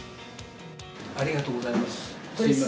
ありがとうございます。